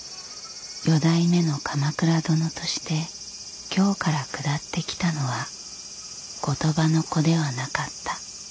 四代目の鎌倉殿として京から下ってきたのは後鳥羽の子ではなかった。